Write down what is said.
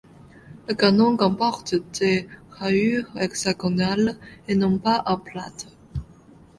Le canon comporte des rayures hexagonales et non pas en plates.